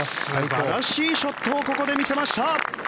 素晴らしいショットをここで見せました！